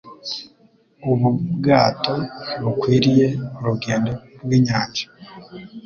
Ubu bwato ntibukwiriye urugendo rwinyanja.